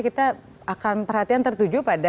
kita akan perhatian tertuju pada